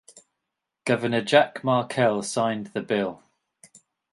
Governor Jack Markell signed the bill.